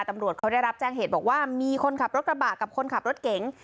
ตำรวจเขาได้รับแจ้งเหตุบอกว่ามีคนขับรถกระบะกับคนขับรถเก๋ง